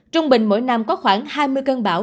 trung bình mỗi năm có khoảng hai mươi cơn bão